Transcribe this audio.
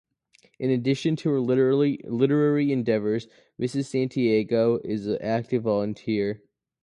In addition to her literary endeavors, Ms. Santiago is an active volunteer.